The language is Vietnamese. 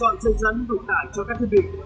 về sử dụng điện chọn dân dân đủ tải cho các thiết bị